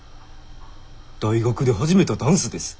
大学で始めたダンスです。